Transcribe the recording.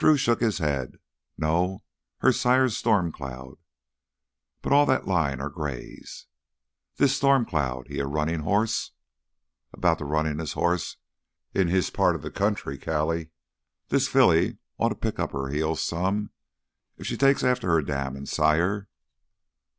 Drew shook his head. "No, her sire's Storm Cloud. But all that line are grays." "This Storm Cloud, he's a runnin' hoss?" "About the runnin'est horse in his part of the country, Callie. This filly ought to pick up her heels some, if she takes after her dam and sire."